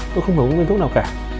tôi không có uống uống thuốc nào cả